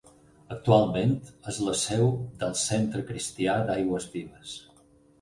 Actualment és la seu del Centre Cristià d'Aigües Vives.